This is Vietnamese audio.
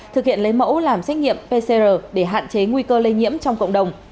thực hiện lấy mẫu làm xét nghiệm pcr để hạn chế nguy cơ lây nhiễm trong cộng đồng